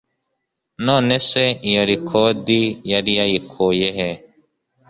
none se iyo record yari yarayikuyehe